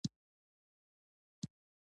د دښمن لسګونه کسان ولوېدل.